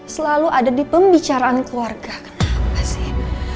selalu ada di pembicaraan keluarga kenapa sih